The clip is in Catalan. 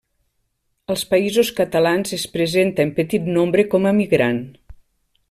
Als Països Catalans es presenta en petit nombre com a migrant.